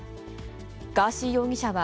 ガーシー容疑者は、